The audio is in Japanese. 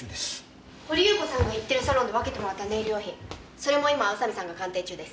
掘祐子さんが行ってるサロンで分けてもらったネイル用品それも今宇佐見さんが鑑定中です。